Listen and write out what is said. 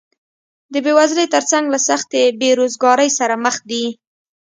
د بېوزلۍ تر څنګ له سختې بېروزګارۍ سره مخ دي